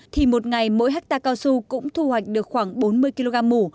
thì một ngày mỗi hectare cao su cũng thu hoạch được khoảng bốn mươi kg mù